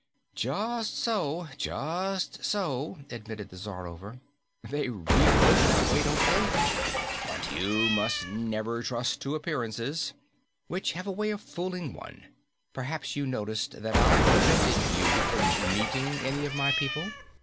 "Just so, just so," admitted the Czarover. "They really look that way, don't they? But you must never trust to appearances, which have a way of fooling one. Perhaps you noticed that I prevented you from meeting any of my people.